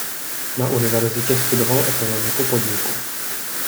Na univerzitě studoval ekonomiku podniku.